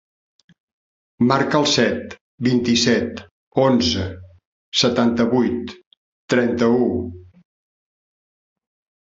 Marca el set, vint-i-set, onze, setanta-vuit, trenta-u.